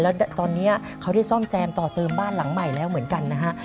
แล้วตอนนี้เขาได้ซ่อมแซมต่อเติมบ้านหลังใหม่แล้วเหมือนกันนะฮะ